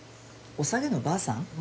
おさげのばあさん？